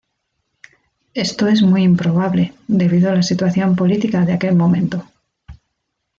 Esto es muy improbable, debido a la situación política de aquel momento.